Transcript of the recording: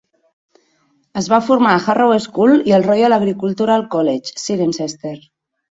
Es va formar a Harrow School i al Royal Agricultural College, Cirencester.